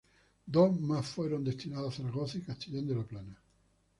Dos más fueron destinados a Zaragoza y Castellón de la Plana.